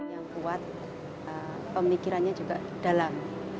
yang kuat pemikirannya juga dalam